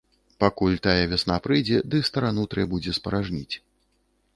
Пакуль тая вясна прыйдзе ды старану трэ будзе спаражніць.